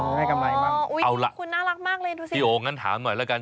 ให้กำไรบ้างเอาล่ะคุณน่ารักมากเลยดูสิพี่โอ๋งั้นถามหน่อยแล้วกัน